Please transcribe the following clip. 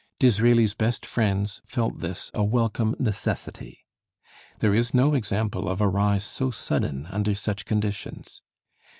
Disraeli's best friends felt this a welcome necessity. There is no example of a rise so sudden under such conditions.